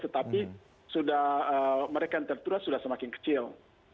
tetapi mereka yang tertura sudah semakin kecil